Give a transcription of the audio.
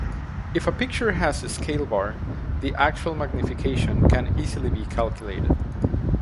If a picture has a scale bar, the actual magnification can easily be calculated.